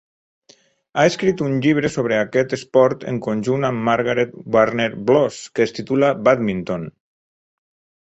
A escrit un llibre sobre aquest esport en conjunt amb Margaret Varner Bloss que es titula "Badminton".